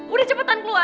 udah cepetan keluar